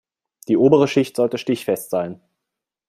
Die obere Schicht sollte stichfest sein.